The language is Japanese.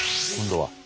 今度は。